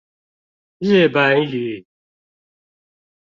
日本語